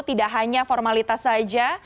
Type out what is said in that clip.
tidak hanya formalitas saja